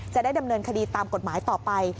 จะได้ดำเนินคดีตามกฎหมายต่อไป